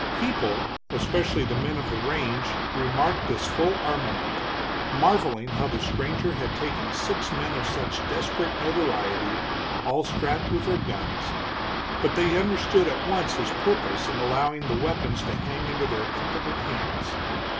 People, especially the men of the range, remarked this full armament, marveling how the stranger had taken six men of such desperate notoriety all strapped with their guns, but they understood at once his purpose in allowing the weapons to hang under their impotent hands.